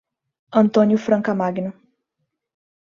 Antônio Franca Magno